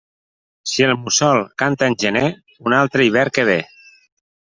Si el mussol canta en gener, un altre hivern que ve.